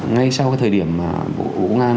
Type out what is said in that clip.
ngay sau cái thời điểm mà bộ công an